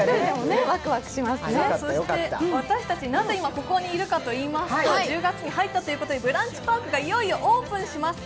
そして私たちなぜここにいるかといいますと、１０月に入ったということで、ブランチパークがいよいよオープンします。